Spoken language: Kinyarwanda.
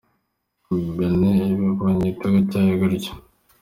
Benin iba ibonye igitego cyayo gutyo.